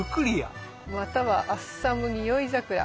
またはアッサムニオイザクラ。